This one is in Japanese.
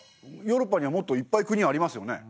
ヨーロッパにはもっといっぱい国ありますよね？